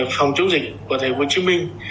phòng chống dịch của thế vô chí minh